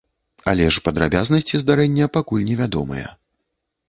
Але ж падрабязнасці здарэння пакуль невядомыя.